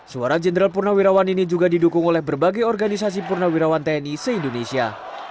suara jenderal purna wirawan ini juga didukung oleh berbagai organisasi purna wirawan tni se indonesia